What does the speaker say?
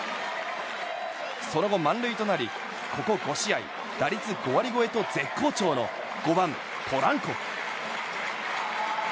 その後、満塁となりここ５試合、打率５割超えと絶好調の５番、ポランコ。